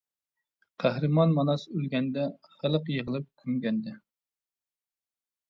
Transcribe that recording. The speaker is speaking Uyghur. قەھرىمان ماناس ئۆلگەندە، خەلق يىغىلىپ كۆمگەندە.